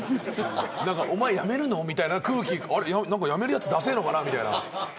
お前、やめるのみたいな空気がやめるやつ、ダセえのかなって。